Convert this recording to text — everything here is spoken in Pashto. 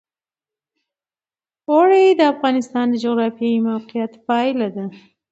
اوړي د افغانستان د جغرافیایي موقیعت پایله ده.